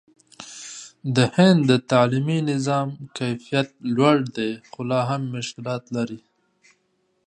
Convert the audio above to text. د هند د تعلیمي نظام کیفیت لوړ دی، خو لا هم مشکلات لري.